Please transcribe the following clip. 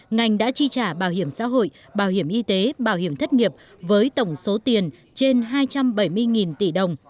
ngành đã chi trả bảo hiểm xã hội bảo hiểm y tế bảo hiểm thất nghiệp với tổng số tiền trên hai trăm bảy mươi tỷ đồng